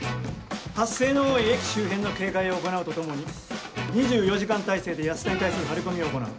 発生の多い駅周辺の警戒を行うとともに２４時間態勢で安田に対する張り込みを行う。